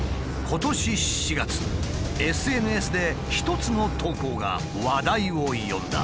今年４月ＳＮＳで一つの投稿が話題を呼んだ。